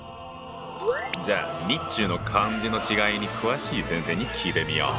じゃあ日中の漢字の違いに詳しい先生に聞いてみよう。